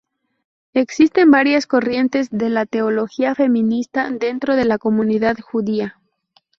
Existen varias corrientes de la teología feminista dentro de la comunidad judía.